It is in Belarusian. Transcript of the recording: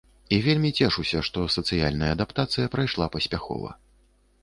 І вельмі цешуся, што сацыяльная адаптацыя прайшла паспяхова.